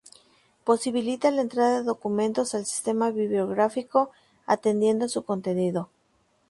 Posibilita la entrada de documentos al sistema bibliográfico atendiendo a su contenido.